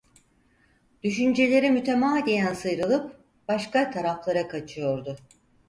Düşünceleri mütemadiyen sıyrılıp başka taraflara kaçıyordu.